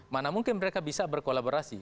mana mungkin mereka bisa berkolaborasi